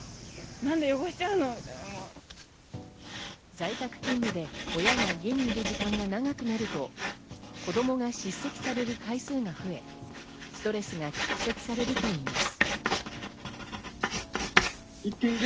在宅勤務で親が家にいる時間が長くなると子供が叱責される回数が増え、ストレスが蓄積されるといいます。